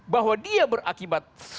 bahwa dia berakibat